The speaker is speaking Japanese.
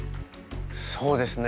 そうですね